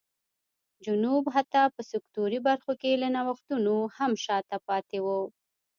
جنوب حتی په سکتوري برخو کې له نوښتونو هم شا ته پاتې و.